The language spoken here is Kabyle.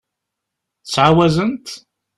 Ttɛawazent?